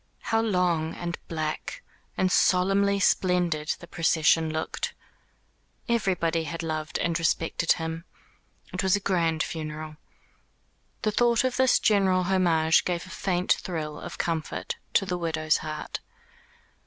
How long, and black, and solemnly splendid the procession looked. Everybody had loved and respected him. It was a grand funeral. The thought of this general homage gave a faint thrill of comfort to the widow's heart.